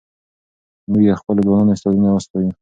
موږ د خپلو ځوانانو استعدادونه ستایو.